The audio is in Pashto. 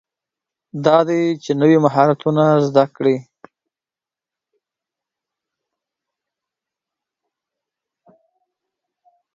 دا دی چې نوي مهارتونه زده کړئ.